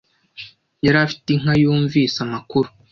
Yari afite inka yumvise amakuru.